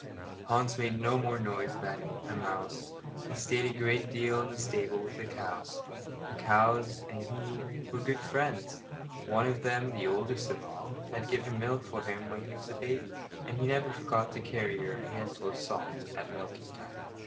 Hans made no more noise than a mouse. He stayed a great deal in the stable with the cows. The cows and he were good friends. One of them, the oldest of all, had given milk for him when he was a baby, and he never forgot to carry her a handful of salt at milking time.